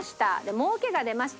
儲けが出ました。